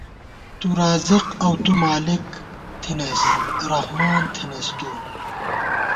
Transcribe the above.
تُو رازق اؤ تُو مالِک تھنَئیس، رحمان تھنَئیس تُو